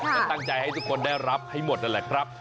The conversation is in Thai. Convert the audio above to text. ก็ตั้งใจให้ทุกคนได้รับให้หมดนั่นแหละครับ